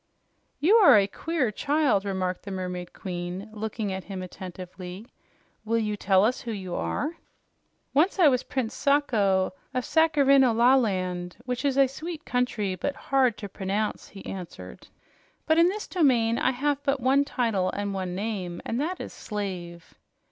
"You are a queer child," remarked the Mermaid Queen, looking at him attentively. "Will you tell us who you are?" "Once I was Prince Sacho of Sacharhineolaland, which is a sweet country, but hard to pronounce," he answered. "But in this domain I have but one title and one name, and that is 'Slave.'"